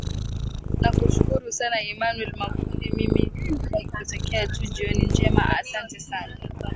nakushukuru sana emmanuel makundi mimi nikutakie tu jioni njema ahsante sana